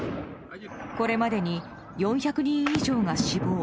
これまでに４００人以上が死亡。